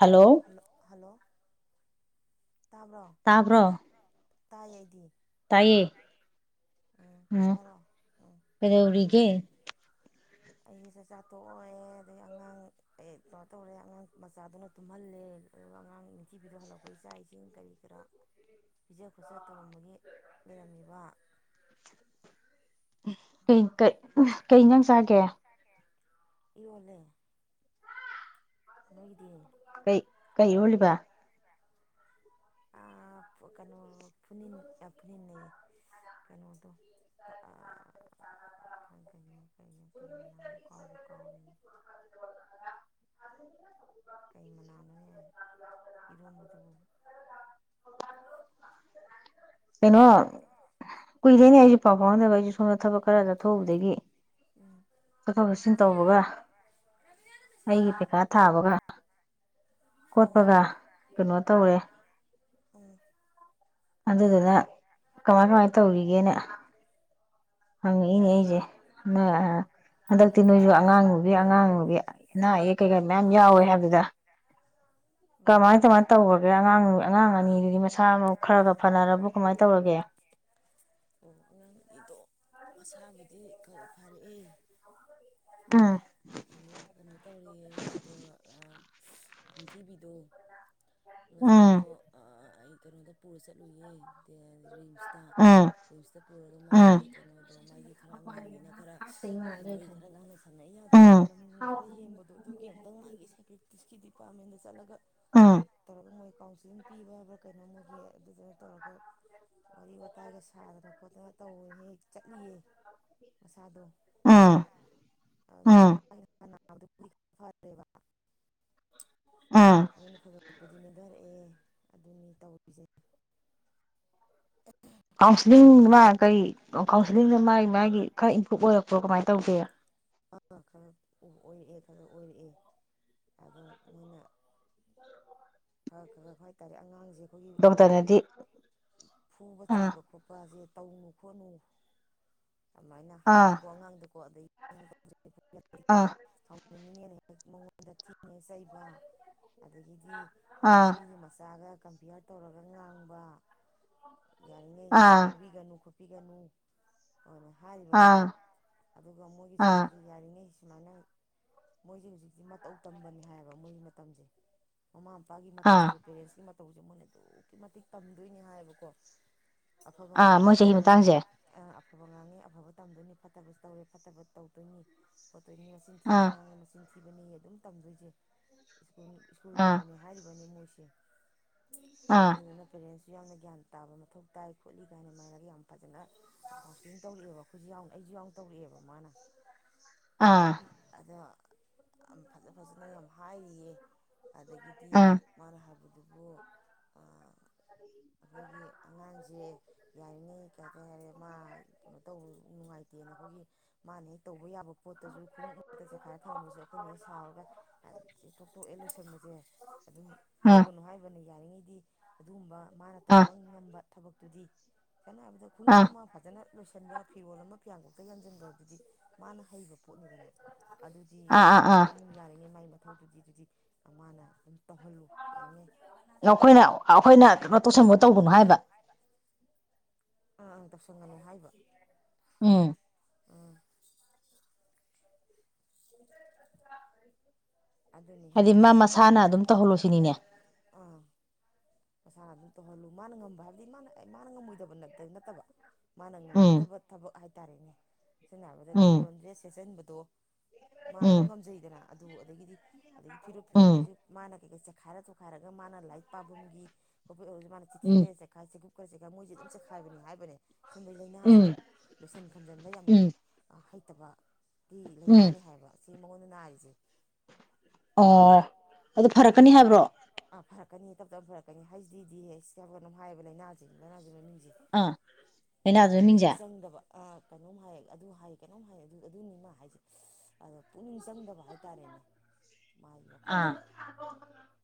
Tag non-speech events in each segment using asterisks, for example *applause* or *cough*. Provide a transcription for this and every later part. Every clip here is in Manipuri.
ꯍꯜꯂꯣ ꯇꯥꯕ꯭ꯔꯣ ꯇꯥꯕ꯭ꯔꯣ ꯇꯥꯏ ꯑꯩꯗꯤ ꯇꯥꯏꯌꯦ ꯎꯝ ꯍꯥꯏꯔꯛꯑꯣ ꯎꯝ ꯀꯩꯗꯧꯔꯤꯒꯦ ꯑꯩꯁꯦ ꯆꯥꯛꯆꯥ ꯊꯣꯛꯣꯛꯑꯣꯦ ꯑꯗꯒꯤ ꯑꯉꯥꯡ ꯑꯩ ꯀꯩꯅꯣ ꯇꯧꯔꯦ ꯑꯉꯥꯡ ꯃꯆꯥꯗꯨꯅ ꯇꯨꯝꯍꯜꯂꯦ ꯑꯗꯨꯒ ꯑꯉꯥꯡ ꯅꯤꯡꯅꯨꯡꯊꯤꯕꯤꯤꯗꯣ ꯍꯜꯂꯛꯄ ꯏꯆꯥ ꯏꯁꯤꯡ ꯀꯔꯤ ꯀꯔꯥ ꯄꯤꯖ ꯈꯣꯠꯆ ꯇꯧꯔꯝꯕꯒꯤ ꯂꯩꯔꯝꯃꯤꯕ ꯀꯩ ꯀꯩ ꯀꯩ ꯉꯪ ꯆꯥꯒꯦ ꯌꯣꯂꯦ ꯅꯣꯏ ꯀꯗꯤ ꯀꯩ ꯀꯩꯔꯣꯂꯤꯕ ꯀꯩꯅꯣ ꯄꯨꯃꯤꯟꯅꯩꯌꯦ ꯀꯩꯅꯣꯗꯣ ꯈꯪ ꯀꯩ ꯀ ꯂꯅꯥ ꯀꯥꯎ ꯀꯥꯅꯦ ꯑꯍ ꯀꯩ ꯃꯅꯥꯅꯣꯅꯦ ꯏꯔꯣꯝꯕꯗꯨꯕꯨ ꯀꯩꯅꯣ ꯀꯨꯏꯗꯣꯏꯅꯦ ꯑꯩꯁꯨ ꯄꯥꯎ ꯐꯥꯎꯅꯗꯕ ꯑꯩꯁꯨ ꯁꯣꯝꯗ ꯊꯕꯛ ꯈꯔ ꯆꯠꯊꯣꯛꯎꯕꯗꯒꯤ ꯎꯝ ꯆꯠꯊꯣꯛ ꯆꯠꯁꯤꯟ ꯇꯧꯕꯒ ꯑꯩꯒꯤ ꯄꯩꯈꯥ ꯊꯥꯕꯒ ꯎꯝ ꯀꯣꯠꯄꯒ ꯀꯩꯅꯣ ꯇꯧꯔꯦ ꯎꯝ ꯑꯗꯨꯗꯨꯅ ꯀꯃꯥꯏ ꯀꯃꯥꯏ ꯇꯧꯔꯤꯒꯦꯅꯦ ꯍꯪ ꯍꯖꯦ ꯍꯟꯗꯛꯇꯤ ꯅꯣꯏꯁꯨ ꯑꯉꯥꯡ ꯅꯨꯨꯕꯤ ꯑꯉꯥꯡ ꯅꯨꯨꯕꯤ ꯑꯅꯥ ꯑꯌꯦꯛ ꯀꯩꯀꯥ ꯃꯌꯥꯝ ꯌꯥꯎꯋꯦ ꯍꯥꯏꯕꯗ ꯎꯝ ꯀꯃꯥꯏ ꯀꯃꯥꯏꯅ ꯇꯧꯈꯒꯦ ꯑꯉꯥꯡ ꯑꯉꯥꯡ ꯑꯅꯤꯗꯨꯒꯤ ꯃꯁꯥ ꯃꯎ ꯈꯔꯒ ꯐꯅꯔꯕ ꯀꯃꯥꯏꯅ ꯇꯧꯔꯒꯦ ꯑꯣꯁꯥꯕꯨꯗꯤ ꯐꯥꯔꯛꯑꯦ ꯑꯝ ꯄ꯭ꯊꯤꯕꯤꯗ ꯎꯝ ꯉꯁꯥꯏꯗꯣ ꯑ ꯀꯧꯣꯗ ꯄꯨꯂꯤꯁ ꯂꯨꯏ ꯔꯤꯝꯁꯇ ꯎꯝ ꯔꯤꯝꯁꯇ ꯄꯨꯔꯒ ꯃꯥꯒꯤ ꯎꯝ ꯀꯩꯅꯣꯗꯣ ꯃꯥꯒꯤ ꯈꯔ ꯑꯉꯥꯡꯅꯤꯅ ꯈꯔ ꯃꯥꯒꯤ ꯈꯔ ꯉꯥꯡꯅ ꯁꯅꯩ ꯐꯠꯇꯕ ꯎꯝ ꯂꯝ ꯈꯔ ꯍꯦꯟꯕꯗꯣ ꯑꯗꯨꯒꯤ ꯑꯃꯨꯛꯇꯪ ꯃꯥꯒꯤ ꯁꯥꯏꯀꯦꯛꯇꯤꯁꯀꯤꯗꯤ ꯐꯝꯃꯤꯅ ꯆꯂꯒ ꯎꯝ ꯇꯧꯔꯒ ꯃꯣꯏ ꯀꯥꯎꯟꯁꯤꯂꯤꯡ ꯄꯤꯕ ꯍꯥꯏꯕ꯭ꯔꯥ ꯀꯩꯅꯣ ꯃꯣꯏꯒꯤ ꯑꯗꯨꯗꯨꯅ ꯇꯧꯔꯒ ꯋꯥꯔꯤ ꯋꯥꯇꯥꯏꯒ ꯁꯥꯗꯅ ꯈꯣꯠꯇꯅ ꯇꯧ ꯍꯦ ꯍꯦꯛ ꯆꯠꯂꯤꯌꯦ ꯃꯁꯥꯗ ꯑꯥ ꯠꯇꯕ ꯎꯝ ꯑꯅꯤ ꯈꯒꯔꯄꯗꯤꯅꯦꯗꯔ ꯑꯦꯦ ꯑꯗꯨꯅꯤ ꯇꯧꯕꯤꯖꯩ ꯀꯥꯎꯟꯁꯤꯂꯤꯡ ꯃꯥ ꯀꯩ ꯀꯥꯎꯟꯁꯤꯂꯤꯡꯅ ꯃꯥꯒꯤ ꯃꯥꯒꯤ ꯈꯔ ꯏꯝꯄ꯭ꯔꯨꯞ ꯑꯣꯏꯔꯛꯄ꯭ꯔꯣ ꯀꯃꯥꯏꯅ ꯇꯧꯒꯦ ꯈꯔ ꯑꯣꯏꯔꯛꯑꯦ ꯈꯔ ꯑꯣꯏꯔꯛꯑꯦ ꯑꯗꯣ ꯃꯣꯏꯅ ꯈꯔ ꯈꯔ ꯈ ꯍꯥꯏꯇꯥꯔꯦ ꯑꯉꯥꯡꯁꯤꯡ ꯑꯩꯈꯣꯏꯒꯤ ꯗꯣꯛꯇꯔꯅꯗꯤ ꯐꯨꯕ ꯑꯥ ꯆꯩꯕ ꯈꯣꯠꯄꯁꯦ ꯇꯧꯅꯨ ꯈꯣꯠꯅꯨ ꯑꯗꯨꯃꯥꯏꯅ ꯍꯥꯏꯕꯀꯣ ꯑꯉꯥꯡꯗꯀꯣ ꯑꯗꯩ ꯌꯥ *inaudible* ꯑ ꯅꯤꯡꯉꯤꯅꯦꯅ ꯍꯦꯛ ꯃꯉꯣꯟꯗ ꯊꯤꯅ ꯆꯩꯕ ꯑꯗꯒꯤꯗꯤ ꯑꯗꯒꯤ ꯑꯥ ꯃꯤꯒꯤ ꯃꯆꯥꯒ ꯀꯝꯄꯤꯌꯔ ꯇꯧꯔꯒ ꯉꯥꯡꯕ ꯌꯥꯔꯤꯉꯩ ꯑꯁꯤ ꯑꯥ ꯉꯥꯡꯕꯤꯒꯅꯨ ꯄꯤꯒꯅꯨ ꯍꯔꯦ ꯍꯥꯏꯔꯤꯕꯅꯦ ꯑꯥ ꯑꯗꯨꯒ ꯃꯣꯏꯒꯤ ꯑꯥ ꯆꯍꯤꯗꯤ ꯌꯥꯔꯤꯉ *inaudible* ꯁꯨꯃꯥꯏꯅ ꯃꯣꯏꯁꯦ ꯍꯧꯖꯤꯛꯇꯤ ꯃꯇꯧ ꯇꯝꯕꯅꯦ ꯍꯥꯏꯌꯦꯕ ꯃꯣꯏꯒꯤ ꯃꯇꯝꯁꯦ ꯃꯃꯥ ꯃꯄꯥꯒꯤ ꯑꯥ ꯃꯇꯧꯁꯦ ꯄꯦꯔꯦꯟꯁ ꯇꯧꯁꯦ ꯃꯣꯏꯅ ꯑꯗꯨꯛꯀꯤ ꯃꯇꯤꯛ ꯇꯝꯗꯣꯏꯅꯦ ꯍꯥꯏꯌꯦꯕꯀꯣ ꯑꯐꯕ ꯑꯥ ꯉꯥꯡꯉꯤ ꯃꯣꯏ ꯆꯍꯤ ꯑꯐꯕꯅꯤ ꯃꯇꯥꯡꯁꯦ ꯑꯐꯕ ꯉꯥꯡꯉꯤ ꯑꯐꯕ ꯇꯝꯗꯣꯏꯅꯤ ꯐꯠꯇꯕꯁꯨ ꯇꯧꯔꯦ ꯐꯠꯇꯕ ꯇꯧꯗꯣꯏꯅꯤ ꯇꯣꯏꯅꯤ ꯃꯆꯤꯟ ꯊꯤꯕ ꯑꯥ ꯉꯥꯡꯉꯤ ꯃꯆꯤꯟ ꯊꯤ ꯊꯤꯕꯅꯦ ꯑꯗꯨꯝ ꯇꯝꯗꯣꯏꯁꯦ ꯑꯥ ꯁ꯭ꯀꯨꯜꯒꯨꯝꯕꯅꯤ ꯍꯥꯏꯔꯤꯕꯅꯤ ꯃꯣꯏ ꯑꯥ *unintelligible* ꯑꯗꯨꯅ ꯐ *inaudible* ꯁꯨ ꯌꯥꯝꯅ ꯒ꯭ꯌꯥꯟ ꯇꯥꯕ ꯃꯊꯧ ꯇꯥꯏ ꯈꯣꯠꯂꯤ ꯀꯥꯏꯅ ꯃꯥꯥꯏꯔꯒ ꯌꯥꯝ ꯐꯖꯅ ꯀꯥꯎꯟꯁꯂꯤꯡ ꯇꯧꯔꯛꯑꯦꯕ ꯑꯩꯈꯣꯏꯁꯨ ꯌꯥꯎꯅ ꯑꯩꯁꯨ ꯌꯥꯎꯅ ꯇꯧꯔꯛꯑꯦꯕ ꯃꯥꯅ ꯑꯥ ꯑꯗ ꯐꯖ ꯐꯖꯅ ꯌꯥꯝ ꯍꯥꯏꯔꯤꯌꯦ ꯑꯥ ꯑꯥ ꯑꯗꯒꯤꯗꯤ ꯃꯥꯅ ꯍꯥꯏꯕꯗ ꯑꯗꯨꯕꯨ ꯑꯩꯈꯣꯏꯒꯤ ꯑꯉꯥꯡꯁꯦ ꯌꯥꯔꯤꯉꯩ ꯀꯩ ꯍꯥꯏꯇꯥꯔꯦ ꯃꯥ ꯀꯩꯅꯣ ꯇꯧꯕ ꯅꯨꯡꯉꯥꯏꯇꯦꯅ ꯑꯩꯈꯣꯏꯒꯤ ꯃꯥꯅ ꯍꯦꯛ ꯇꯧꯕ ꯌꯥꯕ ꯄꯣꯠꯇꯁꯨ ꯈꯣꯡ ꯎꯛꯇ ꯆꯥꯏꯈꯥꯏꯔ ꯊꯝꯕꯁꯨ ꯑꯩꯈꯣꯏꯅ ꯍꯦ ꯁꯥꯎꯔꯒ ꯇꯣꯛ ꯇꯣꯛꯑꯦ ꯂꯣꯏꯁꯟꯕꯁꯦ ꯑꯗꯨꯝ ꯑꯥ ꯇꯧꯒꯅꯣ ꯍꯥꯏꯕꯅ ꯌꯥꯔꯤꯉꯩꯗꯤ ꯑꯗꯨꯒꯨꯝꯕ ꯃꯥꯅ ꯑꯥ ꯇꯧꯕ ꯉꯝꯕ ꯊꯕꯛꯇꯨꯗꯤ ꯍꯥꯏꯕꯗ ꯈꯣꯡꯎꯞ ꯑꯥ ꯑꯃ ꯐꯖꯅ ꯂꯣꯏꯁꯤꯟꯕ ꯐꯤꯔꯣꯜ ꯑꯃ ꯐꯤꯌꯥꯡꯀꯣꯛꯇ ꯌꯥꯟꯁꯤꯟꯕ ꯑꯗꯨꯗꯤ ꯃꯥꯅ ꯍꯩꯕ ꯄꯣꯠꯅꯤꯗꯅ ꯑꯗꯨꯗꯤ ꯑꯥ ꯃꯥꯅ ꯑꯥ ꯑꯗꯨꯝ ꯌꯥꯔꯤꯉꯩ ꯃꯥꯏ ꯃꯊꯧꯗꯨꯗꯤ ꯑꯗꯨꯗꯤ ꯃꯥꯅ ꯑꯗꯨꯝ ꯇꯧꯍꯜꯂꯨ ꯌꯥꯔꯤꯉꯩ ꯅꯈꯣꯏꯅ ꯑꯩꯈꯣꯏꯅ ꯑꯥ ꯑꯥ ꯀꯩꯅꯣ ꯇꯧꯁꯟꯕ ꯇꯧꯕꯅꯣ ꯍꯥꯏꯕ ꯑꯉꯥꯡ ꯇꯧꯁꯟꯒꯅꯨ ꯍꯥꯏꯕ ꯎꯝ ꯑꯥ ꯑꯗꯨꯅꯤ ꯍꯥꯏꯗꯤ ꯃꯥ ꯍꯥꯏꯔꯤꯁꯦ ꯃꯁꯥꯅ ꯑꯗꯨꯝ ꯇꯧꯍꯜꯂꯨꯁꯤꯅꯤꯅꯦ ꯑꯥ ꯃꯁꯥꯅ ꯑꯗꯨꯝ ꯇꯧꯍꯜꯂꯨ ꯃꯥꯅ ꯉꯝꯕ ꯍꯥꯏꯕꯗꯤ ꯃꯥꯅ ꯃꯥꯅ ꯉꯝꯃꯣꯏꯗꯕ ꯅꯠꯇꯕ ꯃꯥꯅ ꯎꯝ ꯉꯝꯒꯗꯕ ꯊꯕꯛ ꯍꯥꯏ ꯇꯔꯦꯅꯦ ꯆ ꯍꯥꯏꯕꯗ ꯎꯝ ꯐꯤꯔꯣꯟ꯭ꯔꯦ ꯁꯦꯁꯟ ꯠꯇꯣ ꯃꯥ ꯑꯗꯨꯝ ꯎꯝ ꯉꯝꯖꯩꯗꯅ ꯑꯗꯨ ꯑꯗꯒꯤꯗꯤ ꯑꯗꯒꯤ ꯐꯤꯔꯨꯞꯞ ꯎꯝ ꯐꯤꯔꯣꯟꯗꯁꯨ ꯃꯥꯅ ꯀꯩ ꯀꯩ ꯆꯦꯈꯥꯏꯔ ꯇꯣꯈꯥꯏꯔꯒ ꯃꯥꯅ ꯂꯥꯏꯔꯤꯠ ꯄꯥꯐꯝꯒꯤ ꯀꯣꯤꯛꯨꯁꯨ ꯃꯥꯅ ꯎꯝ ꯆꯤꯊꯤꯔ ꯆꯥꯏ ꯆꯦꯒꯨꯞꯔ ꯆꯦꯥꯏꯣꯏꯦ ꯑꯗꯨ ꯆꯈꯥꯏꯕꯅꯤ ꯍꯥꯏꯕꯅꯦ ꯁꯨꯝꯕꯩ ꯂꯥꯏꯅꯥꯁꯦ ꯎꯝ ꯂꯣꯏꯁꯟ ꯈꯝꯖꯤꯟꯕ ꯌꯥꯝꯅꯩ ꯎꯝ ꯠꯇꯕ ꯀꯤ ꯎꯝ ꯂꯥꯏꯅꯥꯅꯤ ꯍꯥꯏꯕ ꯁꯤ ꯃꯉꯨꯟꯅ ꯅꯥꯔꯤꯁꯤꯦ ꯑꯣ ꯑꯗꯨ ꯐꯔꯛꯀꯅꯤ ꯍꯥꯏꯕ꯭ꯔꯣ ꯀꯛꯀꯅꯤ ꯇꯞ ꯇꯞꯅ ꯐꯔꯛꯀꯅꯤ ꯍꯥꯏꯁꯤꯗꯤ ꯁꯤ ꯍꯥꯏꯌꯦꯕ ꯂꯥꯏꯅꯥꯁꯦ ꯂꯥꯏꯅꯥꯁꯤꯦ ꯃꯃꯤꯁꯦ ꯑꯥ ꯑꯩꯅ ꯑꯗꯨ ꯑꯗꯨꯅ ꯃꯤꯡꯖꯦ ꯑꯥ ꯀꯩꯅꯣꯝ ꯍꯥꯏ ꯑꯗꯨ ꯍꯥꯏ ꯀꯩꯅꯣꯝ ꯍꯥꯏ ꯑꯗꯨꯅꯤꯃ ꯍꯥꯏꯁꯦ ꯑꯗꯣ ꯄꯨꯛꯅꯤꯡ ꯆꯪꯗꯕ ꯍꯥꯏꯇꯥꯔꯦꯅꯦ ꯃꯥꯒꯤ ꯋꯥꯈꯜꯁꯦ ꯑꯥ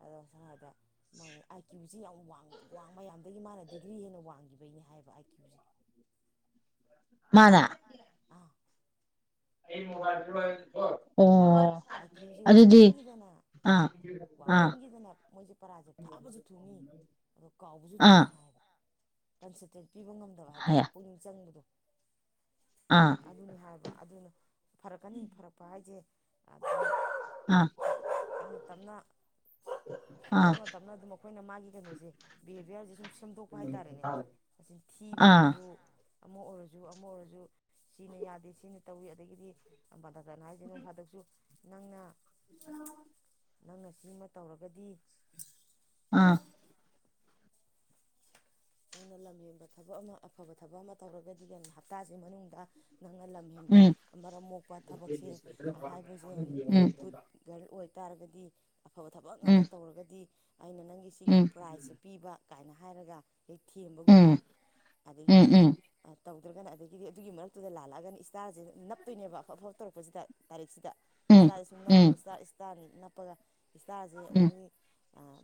ꯑꯗꯣ ꯆꯥꯕ ꯃ ꯑꯩꯀꯤ ꯁꯤ ꯌꯥꯝꯡ ꯃꯌꯥꯝꯗꯒꯤ ꯃꯥꯅ ꯗꯤꯒ꯭ꯔꯤ ꯍꯦꯟꯅ ꯋꯥꯡꯈꯤꯕꯒꯤꯅꯦ ꯍꯥꯏꯕ ꯑꯥꯏ ꯀ꯭ꯌꯨꯁꯦ ꯃꯥꯗ ꯑꯥ ꯑꯣ ꯑꯥꯏ ꯀ꯭ꯌꯨꯁꯦ ꯑꯗꯨꯗꯤ ꯋꯥꯡꯃꯟꯈꯤꯗꯅ ꯑꯥ ꯑꯥ ꯋꯥꯡꯃꯟꯈꯤꯗꯅ ꯃꯣꯏꯁꯦ ꯄꯔꯥꯁꯦ ꯐꯥꯕꯁꯨ ꯊꯨꯅꯤ ꯑꯗꯣ ꯀꯥꯎꯕꯁꯨ ꯑꯥ ꯊꯨꯅꯤ ꯍꯥꯏꯕ ꯄ ꯁꯇ ꯄꯤꯕ ꯉꯝꯗꯕ ꯍꯥꯏꯌꯦ ꯍꯥꯏꯇꯥꯔꯦ ꯄꯨꯛꯅꯤꯡ ꯆꯪꯕꯗꯣ ꯑꯥ ꯑꯗꯨꯅꯤ ꯍꯥꯏꯕ ꯑꯗꯨꯅ ꯐꯔꯛꯀꯅꯤ ꯐꯔꯛꯄ ꯍꯥꯏꯁꯦ ꯑꯥ ꯑꯗꯨ ꯇꯞꯅ ꯇꯞꯅ ꯑꯥ ꯇꯞꯅ ꯇꯞꯅ ꯑꯗꯨꯃꯛ ꯑꯩꯈꯣꯏꯅ ꯃꯥꯒꯤ ꯀꯩꯅꯣꯁꯦ ꯕꯤꯍꯦꯕꯤꯌꯔꯁꯦ ꯁꯨꯝ ꯁꯦꯝꯗꯣꯛꯄ ꯍꯥꯏꯇꯥꯔꯦꯅꯦ ꯑꯁꯤ ꯊꯤꯕ ꯑꯥ ꯑꯣꯏꯔꯁꯨ ꯑꯃ ꯑꯣꯏꯔꯁꯨ ꯑꯃ ꯑꯣꯏꯔꯁꯨ ꯁꯤꯅ ꯌꯥꯗꯦ ꯁꯤꯅ ꯇꯧꯏꯤ ꯑꯗꯒꯤꯗꯤ ꯑꯄꯥꯗꯖꯅ ꯍꯥꯏꯁꯤꯅꯨꯝꯥꯗꯛꯁꯨ ꯅꯪꯅ ꯎꯝ ꯅꯪ ꯉ ꯁꯤꯃ ꯇꯧꯔꯒꯗꯤ ꯑꯥ ꯅꯪꯅ ꯂꯝ ꯌꯦꯦꯟꯕ ꯊꯕꯛ ꯑꯃ ꯑꯐꯕ ꯊꯕꯛ ꯑꯃ ꯇꯧꯔꯒꯗꯤ ꯍꯞꯇꯥꯁꯤ ꯃꯅꯨꯡꯗ ꯅꯪꯅ ꯂꯝ ꯍꯦꯟꯕ ꯎꯝ ꯑꯃꯝ ꯃꯣꯛꯄ ꯊꯕꯛꯁꯦ ꯍꯥꯏꯕꯁꯦ ꯎꯝ ꯒꯨꯗ ꯒꯔ ꯑꯣꯏ ꯇꯥꯔꯒꯗꯤ ꯑꯐꯕ ꯊꯕꯛ ꯎꯝ ꯉꯥꯛꯇ ꯇꯧꯔꯒꯗꯤ ꯑꯩꯅ ꯅꯪꯒꯤ ꯁꯤꯒꯤ ꯎꯝ ꯎꯝ ꯄ꯭ꯔꯥꯏꯖꯁꯦ ꯄꯤꯕ ꯀꯥꯏꯅ ꯍꯥꯏꯔꯒ ꯑꯗꯩ ꯊꯦꯝꯕꯒꯨꯝꯕ ꯎꯝ ꯑꯗꯒꯤꯗꯤ ꯎꯝ ꯇꯧꯗ꯭ꯔꯒꯅ ꯑꯗꯒꯤꯗꯤ ꯑꯗꯨꯒꯤ ꯃꯔꯛꯇꯨꯗ ꯂꯥꯂꯛꯑꯒꯅ ꯏꯁꯇꯥꯔꯁꯦ ꯅꯞꯇꯣꯏꯅꯦꯕ ꯑꯐ ꯑꯐꯞ ꯇꯧꯔꯛꯄꯁꯤꯗ ꯇꯥꯔꯤꯛꯁꯤꯗ ꯎꯝ ꯏꯁ ꯁꯨꯝ ꯎꯝ ꯅꯞꯇꯅꯤ ꯎꯄꯗ ꯏꯁꯇꯥꯁꯦ ꯎꯝ ꯎꯝ ꯑꯗꯒꯤꯗꯤ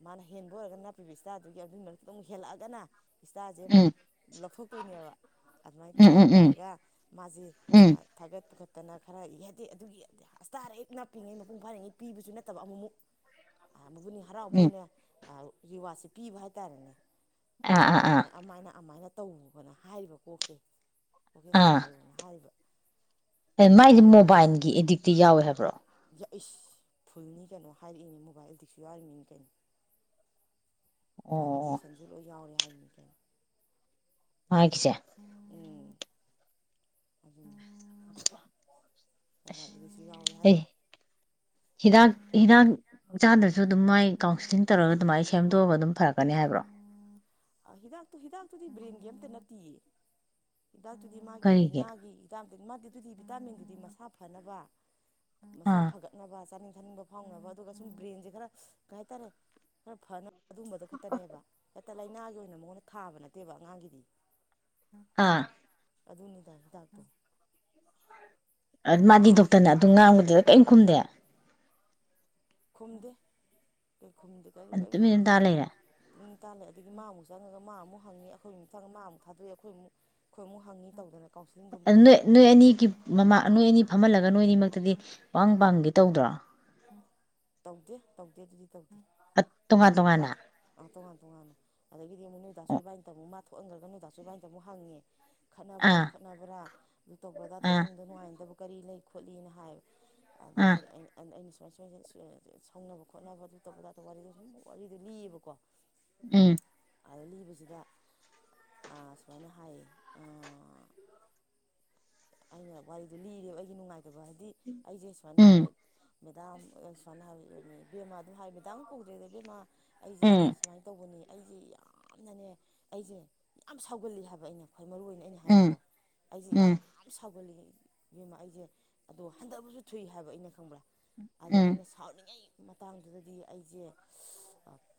ꯃꯥꯅ ꯍꯦꯟꯕ ꯑꯣꯏꯔꯒ ꯅꯥꯄꯤꯕ ꯏꯁꯇꯥꯗꯨꯒꯤ ꯑꯗꯨꯒꯤ ꯃꯔꯛꯇꯣ ꯑꯃꯨꯛ ꯍꯦꯜꯂꯛꯑꯒꯅ ꯏꯁꯇꯥꯁꯦ ꯑꯃꯨꯛ ꯂꯧꯊꯣꯛꯇꯣꯏꯅꯦꯕ ꯑꯗꯨꯃꯥꯏꯅ ꯎꯝ ꯇꯧꯔ ꯎꯝ ꯎꯝ ꯇꯧꯔꯒ ꯃꯥꯁꯤꯦ ꯎꯝ ꯊꯥꯒꯠ ꯄꯨꯈꯠ ꯠꯇꯅ ꯈꯔ ꯏꯍꯗꯦ ꯑꯗꯨꯒꯤ ꯍꯁꯇꯥꯔ ꯍꯦꯛ ꯅꯥ ꯄꯤꯉꯩ ꯃꯄꯨꯡ ꯐꯥꯔꯤꯉꯩ ꯄꯤꯕꯁꯨ ꯅꯠꯇꯕ ꯑꯃꯨꯃꯨꯛ ꯃꯒꯨꯟ ꯍꯔꯥꯎꯕ ꯎꯝ ꯑꯣꯏꯅ ꯔꯤꯋꯥꯔꯠꯁꯦ ꯄꯤꯕ ꯍꯥꯏꯇꯥꯔꯦꯅꯦ ꯑꯥ ꯑꯥ ꯑꯥ ꯑꯃꯥꯏꯅꯥꯏꯅ ꯇꯧꯨꯕꯅ ꯍꯥꯏꯔꯤꯕ ꯀꯣꯛꯁꯦ ꯀꯣꯛꯁꯦ ꯑꯥ ꯆꯂꯥꯏꯌꯣꯅ ꯍꯥꯏꯔꯤꯕ ꯃꯥꯏꯗꯤ ꯑꯗꯨ ꯃꯣꯕꯥꯏꯜꯒꯤ ꯑꯦꯗꯤꯛꯇꯤ ꯌꯥꯎꯋꯦ ꯍꯥꯏꯕ꯭ꯔꯣ ꯏꯁ ꯐꯨꯜꯅꯤ ꯀꯩꯅꯣ ꯍꯥꯏꯔꯛꯏꯅꯤ ꯃꯣꯕꯥꯏꯜꯗꯤꯛꯁꯨ ꯌꯥꯔꯤꯃꯤꯅꯤ ꯀꯩꯅꯣ ꯕꯥꯏꯜ ꯑꯣ ꯑꯦꯗꯤꯛꯁꯟꯁꯨ ꯂꯣꯏ ꯌꯥꯎꯔꯦ ꯍꯥꯏꯅꯤ *unintelligible* ꯃ ꯀ ꯆꯦ ꯑꯗꯨ ꯑ ꯑꯣꯕꯥ ꯁ ꯌꯥꯥꯎ ꯌꯥꯏ ꯍꯤꯗꯥꯛ ꯍꯤꯗꯥꯛ ꯆꯥꯗ꯭ꯔꯁꯨ ꯑꯗꯨꯝ ꯃꯥꯏ ꯀꯥꯎꯟꯁꯤꯂꯤꯡ ꯇꯧꯔꯒ ꯑꯗꯨꯃꯥꯏꯅ ꯁꯦꯝꯗꯣꯛꯑꯒ ꯑꯗꯨꯝ ꯐꯔꯛꯀꯅꯤ ꯍꯥꯏꯕ꯭ꯔꯣ ꯍꯤꯗꯥꯛꯇꯨ ꯍꯤꯗꯥꯛꯇꯨꯗꯤ ꯕ꯭ꯔꯦꯟꯒꯤ ꯑ ꯑꯃꯇ ꯅꯠꯇꯤꯌꯦ ꯍꯤꯗꯥꯛꯇꯨꯗꯤ ꯃꯥꯒꯤ ꯀꯔꯤꯒꯤ ꯂꯥꯏꯅꯥꯒꯤ ꯍꯤꯗꯥꯛꯝꯇꯗꯤ ꯃꯥꯗꯤ ꯑꯗꯨꯗꯤ ꯚꯤꯇꯥꯃꯤꯟꯗꯨꯗꯤ ꯃꯁꯥ ꯐꯅꯕ ꯃꯁꯥ ꯑꯥ ꯐꯒꯠꯅꯕ ꯆꯥꯅꯤꯡ ꯟꯕ ꯐꯥꯎꯅꯕ ꯑꯗꯨꯒ ꯁꯨꯝ ꯕ꯭ꯔꯦꯟꯁꯦ ꯈꯔ ꯀꯩ ꯍꯥꯏꯇꯥꯔꯦ ꯈꯔ ꯐꯅꯕ ꯑꯗꯨꯒꯕꯗ ꯈꯛꯇꯅꯦꯕ ꯇ ꯂꯩꯥꯏꯅ ꯍꯥꯏꯒ ꯑꯩꯅ ꯃꯉꯣꯟꯗ ꯊꯥꯕ ꯅꯠꯇꯦꯕ ꯑꯉꯥꯡꯒꯤꯗꯤ ꯑꯥ ꯑꯗꯨꯅꯤꯗ ꯍꯤꯗꯥꯛꯇꯣ ꯃꯥꯗꯤ ꯗꯣꯛꯇꯔꯅ ꯑꯗꯨ ꯉꯥꯡꯕꯗꯠ ꯀꯔꯤ ꯈꯨꯝꯗꯦ ꯈꯨꯝꯗꯦ ꯀꯔꯤ ꯈꯨꯝꯗꯦ ꯀꯔꯤ ꯀꯔꯤꯝ ꯇꯨꯃꯤꯟꯅ ꯈꯨꯝꯗꯦ ꯇꯥ ꯂꯩꯔꯦ ꯍꯇꯥꯜꯂꯦ ꯑꯗꯒꯤ ꯃꯥ ꯑꯃꯨꯛ ꯆꯪꯉꯒ ꯃꯥ ꯑꯃꯨꯛ ꯍꯉ ꯑꯩꯈꯣꯏꯒꯤ ꯃꯨꯛ ꯊꯥꯗꯣꯛꯏ ꯑꯩꯈꯣꯏꯨ ꯑꯩꯈꯣꯏ ꯑꯃꯨꯛ ꯍꯪꯤ ꯇꯧꯗꯅꯅꯕ ꯑꯗꯨ ꯅꯣꯏ ꯅꯣꯏ ꯑꯅꯤꯒꯤ ꯃꯃꯥ ꯅꯣꯏ ꯑꯅꯤ ꯐꯝꯍꯜꯂꯒ ꯅꯣꯏ ꯑꯅꯤꯃꯛꯇꯗꯤ ꯋꯥꯋꯥꯡ ꯄꯥꯡꯒꯦ ꯇꯧꯗ꯭ꯔꯥ ꯎ ꯇꯧꯗꯦ ꯇꯧꯗꯦ ꯑꯗꯨꯗꯤ ꯇꯧꯗꯦ ꯇꯣꯉꯥꯟ ꯇꯣꯉꯥꯟꯅ ꯑ ꯇꯣꯉꯥꯟ ꯇꯣꯉꯥꯟ ꯑꯗꯒꯤꯗꯤ ꯑꯃꯨꯛ ꯅꯣꯏꯗꯥ ꯑꯣ ꯁꯣꯏꯏꯕꯥꯏꯅ ꯇꯝꯨꯛ ꯊꯣꯛꯍꯟꯈ꯭ꯔꯒꯅꯣꯏꯗꯥꯥꯛꯁꯨꯨꯕꯥꯥꯏꯅꯗ ꯑꯃꯨꯛ ꯍꯪꯉꯦ ꯈꯥꯟꯅꯕ꯭ꯔꯥ ꯑꯥ ꯈꯣꯠꯅꯕ꯭ꯔꯥ ꯑꯗꯨ ꯇꯧꯕ꯭ꯔꯥ ꯇꯧꯏ ꯑꯥ ꯏꯃꯨꯡꯗ ꯅꯨꯡꯉꯥꯏꯗꯕ ꯀꯔꯤ ꯂꯩ ꯈꯣꯠꯂꯤꯅ ꯍꯥꯏꯕ ꯑꯥ ꯑꯗ ꯁꯨꯃꯥꯏ ꯁꯨꯃꯥꯏꯅ ꯁꯧꯅꯕ ꯈꯣꯠꯅꯕ ꯑꯗꯨ ꯇꯧꯕ ꯑꯗ ꯋꯥꯔꯤꯗꯣ ꯁꯨꯝ ꯋꯥꯔꯤꯗꯣ ꯂꯤꯌꯦꯕꯀꯣ ꯀꯣ ꯎꯝ ꯑꯗ ꯂꯤꯕꯁꯤꯗ ꯁꯨꯃꯥꯏꯅ ꯍꯥꯏꯌꯦ ꯑꯩꯅ ꯋꯥꯔꯤꯗꯨ ꯂꯤꯕ ꯑꯩꯒꯤ ꯅꯨꯡꯉꯥꯏꯇꯦ ꯑꯗꯨꯕꯨ ꯍꯥꯏꯗꯤ ꯑꯩꯁꯦ ꯁꯨꯃꯥꯏꯅ ꯎꯝ ꯍꯥꯏꯕ ꯃꯦꯗꯥꯝ ꯁꯨꯃꯥꯏꯅ ꯍꯥꯏꯅꯤ ꯕꯦꯃꯥꯗꯨꯅ ꯍꯥꯏ ꯃꯦꯗꯥꯝ ꯀꯧꯗ꯭ꯔꯦꯗ ꯕꯦꯃꯥ ꯑꯩꯁꯦ ꯎꯝ ꯁꯨꯃꯥꯏꯅ ꯇꯧꯕꯅꯦ ꯑꯩꯁꯦ ꯌꯥꯝꯅꯅꯦ ꯑꯩꯁꯦ ꯌꯥꯝ ꯁꯥꯎꯒꯜꯂꯤ ꯍꯥꯏꯕ ꯑꯩꯅ ꯈ꯭ꯋꯥꯏ ꯃꯔꯨ ꯑꯣꯏꯅ ꯑꯩꯅ ꯍꯥꯏꯕꯀꯣ ꯎꯝ ꯑꯩꯁꯦ ꯌꯥꯝ ꯎꯝ ꯁꯥꯎꯒꯠꯜꯂꯤ ꯏꯦꯝꯃ ꯑꯩꯁꯦ ꯑꯗꯣ ꯍꯟꯊꯕꯁꯨ ꯊꯨꯏ ꯍꯥꯏꯕ ꯑꯩꯅ ꯈꯪꯕ꯭ꯔꯥ ꯑꯗꯣ ꯎꯝ ꯑꯩꯅ ꯁꯥꯎꯅꯤꯡꯉꯩ ꯃꯇꯥꯡꯗꯨꯗꯗꯤ ꯑꯩꯁꯦ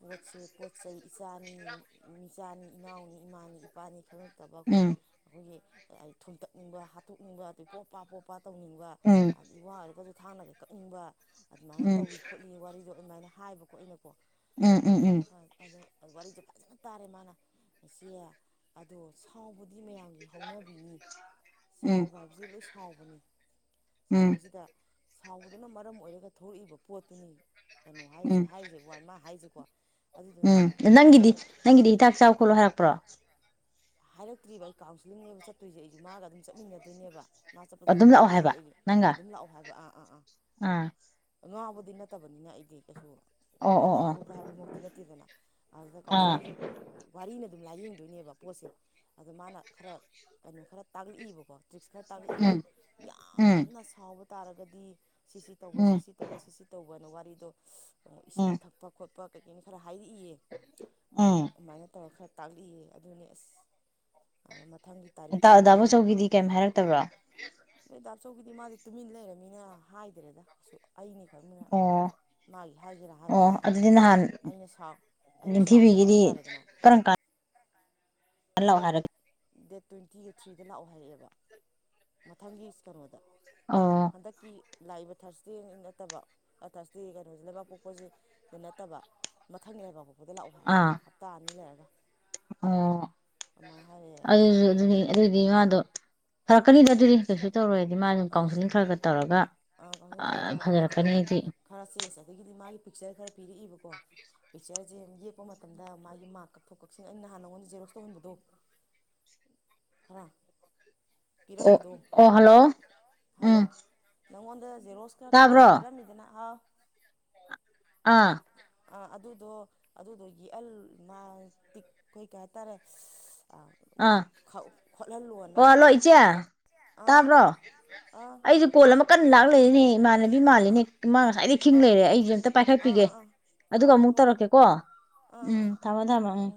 ꯄꯣꯠꯁꯦ ꯄꯣꯠ ꯁ ꯏꯆꯥꯅꯤ ꯃꯤꯆꯥꯅꯤ ꯏꯅꯥꯎꯅꯤ ꯏꯃꯥꯅꯤ ꯏꯄꯥꯅꯤ ꯈꯪꯍ ꯠꯇꯕ ꯑꯩꯈꯣꯏꯒꯤ ꯎꯝ ꯑꯩꯈꯣꯏꯒꯤ ꯑꯩ ꯊꯨꯝꯇꯛ ꯅꯤꯡꯕ ꯍꯥꯠꯇꯣꯛꯅꯤꯡꯕ ꯑꯩ ꯄꯣꯄ ꯄꯣꯞꯄ ꯇꯧꯅꯤꯡꯕ ꯎꯝ ꯑꯗꯤ ꯋꯥ ꯑꯣꯏꯔꯒꯁꯨ ꯊꯥꯡꯅꯒ ꯀꯛꯅꯤꯡꯕ ꯑꯗꯨꯃꯥꯏꯅ ꯎꯝ ꯇꯧꯋ ꯈꯣꯠꯂꯤ ꯋꯥꯔꯤꯗꯣ ꯑꯗꯨꯃꯥꯏꯅ ꯍꯥꯏꯕꯀꯣ ꯑꯩꯅ ꯣ ꯎꯝ ꯎꯝ ꯎꯝ ꯑ ꯑ ꯋꯥꯔꯤꯁꯦ ꯐꯖꯅ ꯇꯥꯔꯦ ꯃꯥꯅ ꯏꯆꯦ ꯑꯗꯣ ꯁꯥꯎꯕꯗ ꯃꯌꯥꯝꯒꯤ ꯍꯧꯅꯕꯤꯅꯤ ꯎꯝ ꯁꯥꯎꯕ ꯍꯥꯏꯕꯁꯤ ꯂꯣꯏ ꯁꯥꯎꯕꯅꯤ ꯎꯝ ꯁꯥꯎꯕꯁꯤꯗ ꯁꯥꯎꯕꯗꯨꯅ ꯃꯔꯝ ꯑꯣꯏꯔꯒ ꯊꯂꯛꯏꯕ ꯄꯣꯠꯇꯨꯅꯤ ꯀꯩꯅꯣ ꯍꯥꯏꯁꯦ ꯎꯝ ꯍꯥꯏꯔꯤꯁꯦ ꯋꯥ ꯃꯥ ꯍꯥꯏꯁꯤꯀꯣ ꯎꯝ ꯅꯪꯒꯤꯗꯤ ꯅꯪꯒꯤꯗꯤ ꯍꯤꯗꯥꯛ ꯆꯥꯎ ꯈꯣꯠꯂꯣ ꯍꯥꯏꯔꯛꯄ꯭ꯔꯣ ꯍꯥꯏꯔꯛꯇ꯭ꯔꯤꯕ ꯑꯩ ꯀꯥꯎꯟꯁꯤꯂꯤꯡꯅꯦꯕ ꯆꯠꯇꯣꯏꯁꯦ ꯑꯩꯁꯨ ꯃꯥꯒ ꯑꯗꯨꯝ ꯆꯠꯃꯤꯟꯅꯗꯣꯏꯅꯦꯕ ꯃꯥ ꯆꯠꯄꯗꯨ ꯑꯗꯨꯝ ꯂꯥꯛꯑꯣ ꯍꯥꯏꯕ ꯌꯥꯎꯗꯣꯏꯅꯦꯕ ꯑꯩꯗꯤ ꯅꯪꯒ ꯑꯗꯨꯝ ꯂꯥꯛꯑꯣ ꯍꯥꯏꯕ ꯑꯥ ꯑꯥ ꯉꯥꯡꯕꯗꯤ ꯅꯠꯇꯕꯅꯤꯅ ꯑꯩꯗꯤ ꯀꯩꯁꯨ ꯑꯣ ꯑꯣ ꯉꯥꯎꯕ ꯑꯣ ꯈꯣꯠꯄ ꯍꯥꯏꯕꯃꯛꯇꯤ ꯅꯠꯇꯦꯗꯅ ꯑꯗꯨꯗ ꯑꯥ ꯀꯥꯎꯟꯁꯤꯂꯤꯡꯒꯤ ꯋꯥꯔꯤ ꯅꯠꯇꯦ ꯑꯗꯨꯝ ꯂꯥꯏꯌꯦꯡꯗꯣꯏꯅꯦꯕ ꯄꯣꯠꯁꯦ ꯑꯗ ꯃꯥꯅ ꯈꯔ ꯀꯩꯅꯣ ꯈꯔ ꯇꯥꯛꯂꯛꯏꯕꯀꯣ ꯇ꯭ꯔꯤꯛꯁ ꯈꯔ ꯇꯥꯛꯂꯛꯏꯕ ꯎꯝ ꯌꯥꯝꯅ ꯁꯥꯎꯕ ꯇꯥꯔꯒꯗꯤ ꯁꯤꯁꯤ ꯇꯧꯕ ꯎꯝ ꯁꯤꯁꯤ ꯇꯧꯕ ꯁꯤꯁꯤ ꯇꯧꯕꯅ ꯋꯥꯠ ꯗ ꯎꯝ ꯏꯁꯤꯡ ꯊꯛꯄ ꯈꯣꯠꯄ ꯄꯛ ꯀꯩꯒꯤꯅꯤ ꯈꯔ ꯍꯥꯏꯔꯛꯏꯌꯦ ꯑꯗꯣ ꯎꯝ ꯑꯗꯨꯃꯥꯏꯅ ꯇꯧꯔ ꯈꯔ ꯇꯥꯛꯂꯤꯑ ꯑꯗꯨꯅꯤ ꯑꯁ ꯑ ꯑ ꯑꯗꯥꯕꯆꯧꯒꯤꯗꯤ ꯀꯩꯝ ꯍꯥꯏꯔꯛꯇꯕ꯭ꯔꯣ ꯗ ꯑꯆꯧꯒꯤꯗꯤ ꯃꯥꯗꯤ ꯇꯨꯃꯤꯟ ꯂꯩꯔꯅꯤꯅ ꯍꯥꯏꯗ꯭ꯔꯦꯗ ꯑꯩꯅꯤ ꯑꯩꯣꯏ ꯃꯅ ꯑꯣ ꯃꯥꯒꯤ ꯍꯥꯏꯒꯦꯔꯥ ꯑꯣ ꯍꯥꯏꯔꯣꯏꯔꯥ ꯑꯗꯨꯗꯤ ꯅꯍꯥꯟ ꯑꯩꯅ ꯁꯥꯎ ꯑꯩꯅ ꯁꯥꯎꯗꯗꯤ ꯅꯤꯡꯊꯤꯕꯤꯒꯤꯗꯤ ꯌꯥꯔꯦꯗꯅ ꯀꯔꯝ ꯀꯥꯟꯗ ꯂꯥꯛꯑꯣ ꯗꯦꯠ ꯍꯥꯏꯔꯛ ꯗꯦꯠ ꯇ꯭ꯋꯦꯟꯇꯤ ꯑꯩꯠ ꯊ꯭ꯔꯤꯗ ꯂꯥꯛꯑꯣ ꯍꯥꯏꯔꯛꯑꯦꯕ ꯃꯊꯪꯒꯤ ꯀꯩꯅꯣꯗ ꯑꯣ ꯍꯟꯗꯛꯀꯤ ꯂꯥꯏꯕ ꯊꯔꯁꯗꯦ ꯅꯠꯇꯕ ꯊꯔꯁꯗꯦ ꯀꯩꯅꯣꯁꯦ ꯂꯩꯕꯥꯛ ꯄꯣꯛꯄꯁꯤ ꯅꯠꯇꯕ ꯃꯊꯪꯅꯦꯕꯀꯣ ꯗ ꯂꯥꯛꯑꯣ ꯍꯥꯏ ꯍꯞꯇꯥ ꯑꯅꯤ ꯂꯩꯔꯒ ꯑꯥ ꯑꯗꯨꯃꯥꯏꯅ ꯍꯥꯏꯔꯛꯑꯦ ꯑꯗꯨ ꯑꯗꯨꯗꯤꯃꯗꯣ ꯐꯔꯛꯀꯅꯤꯗ ꯑꯗꯨꯗꯤ ꯀꯩꯁꯨ ꯇꯧꯔꯣꯏꯗꯤ ꯃꯥ ꯑꯗꯨꯝ ꯀꯥꯎꯟꯁꯤꯂꯤꯡ ꯈꯔ ꯈꯔ ꯇꯧꯔꯒ ꯀꯩꯅꯣ ꯇꯧꯔ ꯇꯧꯔ ꯑꯗꯨꯝ ꯑꯗꯨꯃꯥꯏꯅ ꯐꯖꯔꯛꯀꯅꯤꯗꯤ ꯈꯔ ꯆꯦꯟꯁ ꯑꯗꯒꯤꯗꯤ ꯃꯥꯒꯤ ꯄꯤꯛꯆꯔ ꯈꯔ ꯄꯤꯔꯛꯏꯕꯀꯣ ꯄꯤꯛꯆꯔꯁꯦ ꯌꯦꯛꯄ ꯃꯇꯝꯗ ꯃꯥꯒꯤ ꯃꯥꯔꯛ ꯀꯛꯊꯣꯛ ꯀꯛꯁꯤ ꯑꯩꯅ ꯅꯍꯥꯟ ꯅꯉꯣꯟꯗ ꯖꯦꯔꯣꯛꯁ ꯇꯧꯍꯟꯕꯗꯣ ꯑ ꯑꯣ ꯑꯣ ꯍꯜꯂꯣ ꯎꯝ ꯍꯜꯂꯣ ꯅꯪꯉꯣꯟꯗ ꯖꯦꯔꯣꯁ ꯈꯔ ꯇꯥꯕ꯭ꯔꯣ ꯇꯧꯕꯅ ꯄꯤꯔꯝꯃꯤꯗꯅ ꯑꯥ ꯑꯥ ꯑ ꯑꯗꯨꯗꯣ ꯑꯗꯨꯗꯣ ꯌꯦꯛꯍꯜꯇꯤꯛ ꯑꯩꯈꯣꯏ ꯀꯩ ꯍꯥꯏꯇꯥꯔꯦ ꯑꯥ ꯈꯠꯍꯦꯟ ꯑꯣ ꯍꯜꯂꯣ ꯏꯆꯦ ꯇꯥꯕ꯭ꯔꯣ ꯑꯥ ꯑꯩꯁꯨ ꯄꯣꯜ ꯑꯃ ꯀꯟꯅ ꯂꯥꯛ ꯅꯦ ꯃꯥꯅꯦꯅꯕꯤ ꯃꯥꯦꯅꯤ ꯃꯥ ꯉꯁꯥꯏꯗꯤ ꯈꯤꯡ ꯑꯥ ꯂꯩꯔꯦ ꯑꯩꯁꯦ ꯑꯝꯇ ꯑꯥ ꯄꯥꯏꯈꯠꯄꯤꯒꯦ ꯑꯥ ꯑꯥ ꯑꯗꯨꯒ ꯍꯣꯏ ꯍꯣꯏ ꯑꯃꯨꯛ ꯍꯣꯏ ꯍꯣꯏ ꯇꯧꯔꯛꯀꯦꯀꯣ ꯑꯥ ꯑꯥ ꯎꯝ ꯑꯥ ꯊꯝꯃꯣ ꯊꯝꯃꯣ ꯎꯝ